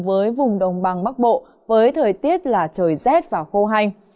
với vùng đồng bằng bắc bộ với thời tiết là trời rét và khô hành